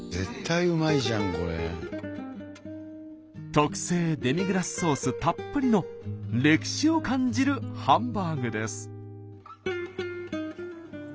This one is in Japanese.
特製デミグラスソースたっぷりの歴史を感じるハンバーグです。